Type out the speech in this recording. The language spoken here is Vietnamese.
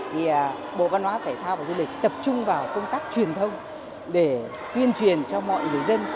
thì bộ văn hóa thể thao và du lịch tập trung vào công tác truyền thông để tuyên truyền cho mọi người dân